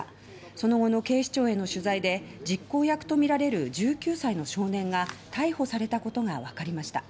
その後の警視庁への取材で実行役と見られる１９歳の少年が逮捕されたことがわかりました。